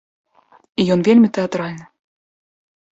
І ён вельмі тэатральны.